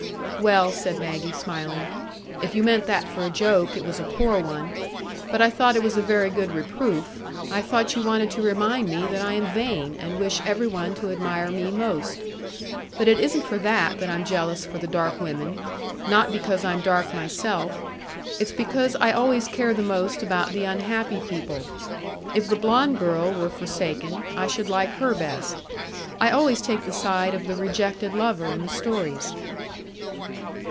"Well," said Maggie, smiling, "if you meant that for a joke, it was a poor one; but I thought it was a very good reproof. I thought you wanted to remind me that I am vain, and wish every one to admire me most. But it isn't for that that I'm jealous for the dark women,—not because I'm dark myself; it's because I always care the most about the unhappy people. If the blond girl were forsaken, I should like her best. I always take the side of the rejected lover in the stories."